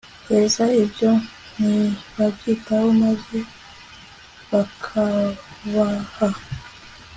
heza ibyo ntibabyitaho maze bakabaha